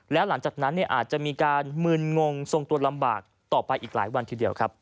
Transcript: แล้วหลังจากนั้นอาจจะมีการมึนงงทรงตัวลำบากต่อไปอีกหลายวันทีเดียวครับ